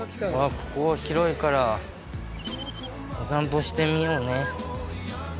ここは広いからお散歩してみようね。